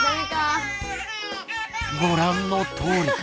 ご覧のとおり。